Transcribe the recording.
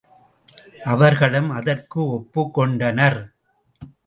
அவர்களும் அதற்கு ஒப்புக் கொண்டனர்.